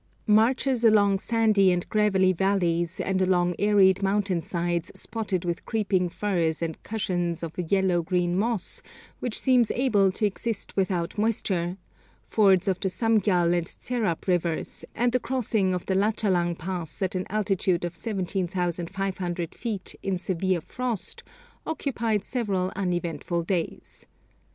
Marches across sandy and gravelly valleys, and along arid mountain sides spotted with a creeping furze and cushions of a yellow green moss which seems able to exist without moisture, fords of the Sumgyal and Tserap rivers, and the crossing of the Lachalang Pass at an altitude of 17,500 feet in severe frost, occupied several uneventful days.